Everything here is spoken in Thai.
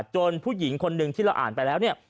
ผู้หญิงคนหนึ่งที่เราอ่านไปแล้วเนี่ย